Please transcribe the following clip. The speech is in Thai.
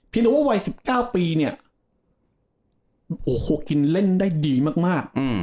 เพียสิ่งหัวว่าวัยสิบเก้าปีเนี้ยโอ้โอคลกินเล่นได้ดีมากมากอืม